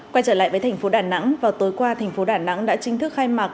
quay trở lại với thành phố đà nẵng vào tối qua thành phố đà nẵng đã chính thức khai mạc